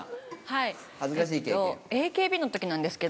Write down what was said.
はい。